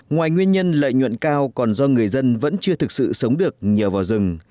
ngoài nguyên nhân lợi nhuận cao còn do người dân vẫn chưa thực sự sống được nhờ vào rừng